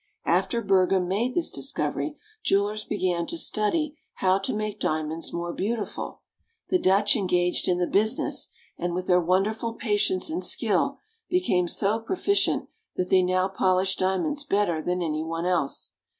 After Berghem made this discovery, jewelers began to study how to make diamonds more beautiful. The Dutch engaged in the business, and with their wonderful patience and skill became so proficient that they now polish dia monds better than any one else.